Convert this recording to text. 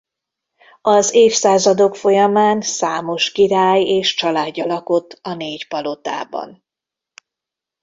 Az évszázadok folyamán számos király és családja lakott a négy palotában.